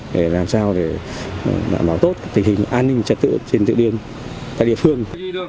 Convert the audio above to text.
để làm sao để bảo tốt tình hình an ninh trật tự trên tựa điên tại địa phương